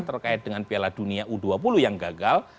terkait dengan piala dunia u dua puluh yang gagal